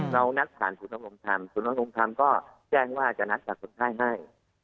เรานัดผ่านสุนับโรงทรรมสุนับโรงทรรมก็แจ้งว่าจะนัดจากคนไทยให้